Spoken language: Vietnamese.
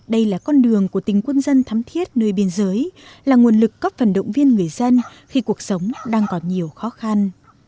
đây là con đường của tình quân dân thắm thiết nơi biên giới là nguồn lực góp phần động viên người dân khi cuộc sống đang còn nhiều khó khăn